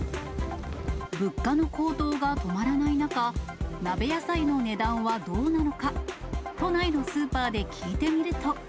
物価の高騰が止まらない中、鍋野菜の値段はどうなのか、都内のスーパーで聞いてみると。